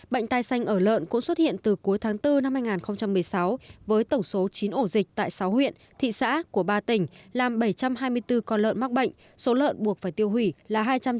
bệnh tai xanh ở lợn cũng xuất hiện từ cuối tháng bốn năm hai nghìn một mươi sáu với tổng số chín ổ dịch tại sáu huyện thị xã của ba tỉnh làm bảy trăm hai mươi bốn con lợn mắc bệnh số lợn buộc phải tiêu hủy là hai trăm tám mươi